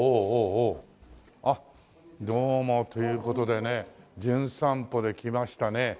あっどうも。という事でね『じゅん散歩』で来ましたね